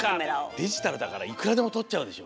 デジタルだからいくらでもとっちゃうでしょ？